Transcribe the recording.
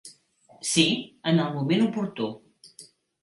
Sí, en el moment oportú.